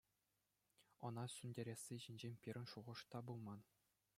Ӑна сӳнтересси ҫинчен пирӗн шухӑш та пулман.